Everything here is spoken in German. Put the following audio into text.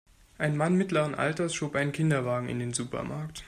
Ein Mann mittleren Alters schob einen Kinderwagen in den Supermarkt.